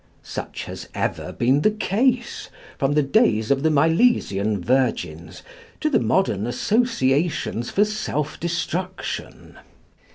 Such has ever been the case, from the days of the Milesian virgins to the modern associations for self destruction.